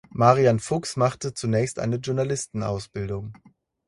Marian Fuks machte zunächst eine Journalistenausbildung.